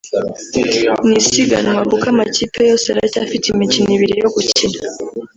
ni isiganwa kuko amakipe yose aracyafite imikino ibiri yo gukina